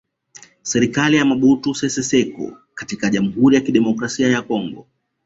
Serikali ya Mobutu Sese Seko katika Jamhuri ya Kidemokrasia ya Kongo